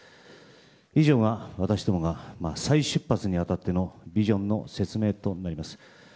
以上が私どもが再出発に当たってのビジョンの説明となります。